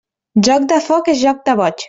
Joc de foc és joc de boig.